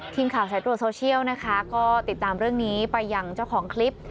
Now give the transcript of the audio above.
สายตรวจโซเชียลนะคะก็ติดตามเรื่องนี้ไปยังเจ้าของคลิป